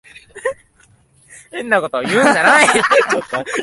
変なことを言うんじゃない。